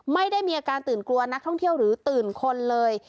ไม่ได้มีอาการตื่นกลัวนักท่องเที่ยวหรือตื่นคนเลย